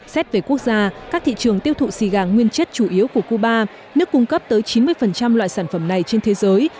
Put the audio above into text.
xét về quốc gia các thị trường tiêu thụ xì gà nguyên chất chủ yếu của cuba nước cung cấp tới chín mươi loại sản phẩm này trên thế giới